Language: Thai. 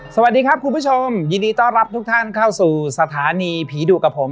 สวัสดีครับคุณผู้ชมยินดีต้อนรับทุกท่านเข้าสู่สถานีผีดุกับผม